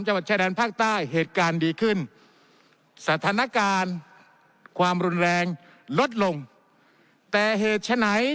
จังหวัดชายแดนภาคใต้เหตุการณ์ดีขึ้นสถานการณ์ความรุนแรงลดลงแต่เหตุฉะไหน